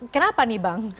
kenapa nih bang